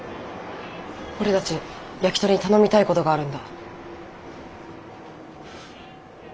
俺たちヤキトリに頼みたいことがあるんだ。